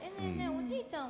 おじいちゃん